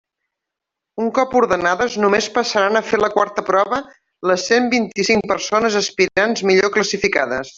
Un cop ordenades, només passaran a fer la quarta prova les cent vint-i-cinc persones aspirants millor classificades.